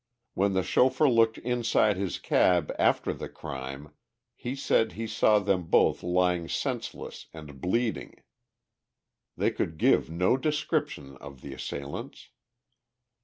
When the chauffeur looked inside his cab after the crime, he said, he saw them both lying senseless and bleeding. They could give no description of the assailants.